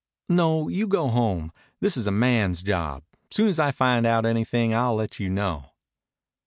"No, you go home. This is a man's job. Soon as I find out anything I'll let you know."